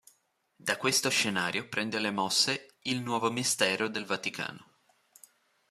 Da questo scenario prende le mosse "Il nuovo mistero del Vaticano.